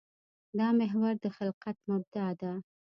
دا محور د خلقت مبدا ده.